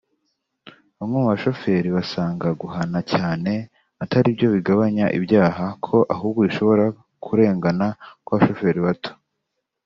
Bamwe mu bashoferi basanga guhana cyane atari byo bigabanya ibyaha ko ahubwo bishobora kurengana kw’abashoferi bato